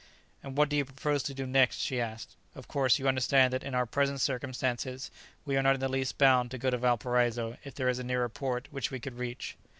"And what do you propose to do next?" she asked. "Of course you understand that in our present circumstances we are not in the least bound to go to Valparaiso if there is a nearer port which we could reach."